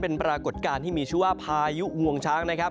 เป็นปรากฏการณ์ที่มีชื่อว่าพายุงวงช้างนะครับ